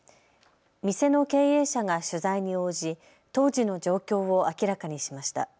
店の経営者が取材に応じ当時の状況を明らかにしました。